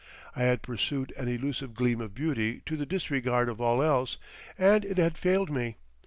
I had pursued an elusive gleam of beauty to the disregard of all else, and it had failed me.